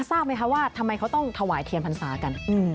ทราบไหมคะว่าทำไมเขาต้องถวายเทียนพรรษากัน